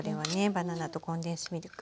バナナとコンデンスミルク。